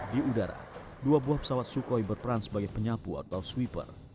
di udara dua buah pesawat sukhoi berperan sebagai penyapu atau sweeper